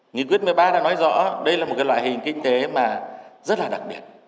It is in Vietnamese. nghị quyết một mươi ba đã nói rõ đây là một loại hình kinh tế mà rất là đặc biệt